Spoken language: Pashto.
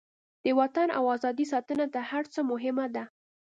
د وطن او ازادۍ ساتنه تر هر څه مهمه ده.